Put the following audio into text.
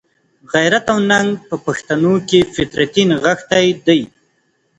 غیرت او ننګ په پښتنو کښي فطرتي نغښتی دئ.